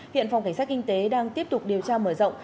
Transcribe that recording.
hiện phòng cảnh sát kinh tế đang tiếp tục điều tra mở rộng